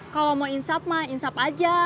kalau mau insap mah insap aja